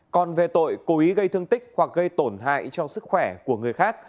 còn về tội cố ý gây thương tích hoặc gây tổn hại cho sức khỏe của người khác